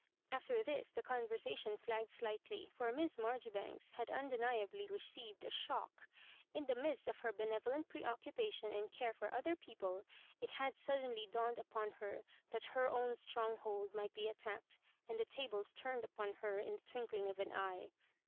After this the conversation flagged slightly, for Miss Maijori banks had undeniably received a shock. In the midst of her benevolent preoccupation and care for other people, it had suddenly dawned upon her that her own stronghold might be attacked, and the tables turned upon her in the twinkling of an eye.